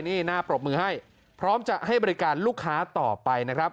นี่น่าปรบมือให้พร้อมจะให้บริการลูกค้าต่อไปนะครับ